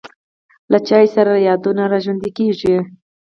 له چای سره یادونه را ژوندی کېږي.